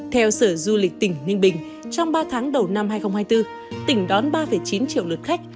theo sở du lịch tỉnh ninh bình trong ba tháng đầu năm hai nghìn hai mươi bốn tỉnh đón ba chín triệu lượt khách